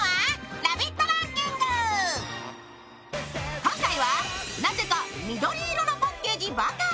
今回はなぜか緑色のパッケージばかり。